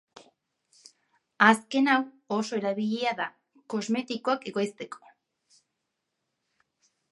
Azken hau oso erabilia da kosmetikoak ekoizteko.